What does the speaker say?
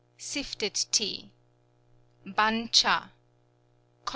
. Sifted Tea Ban châ